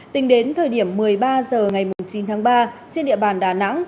tính đến thời điểm một mươi ba h ngày chín tháng ba trên địa bàn đà nẵng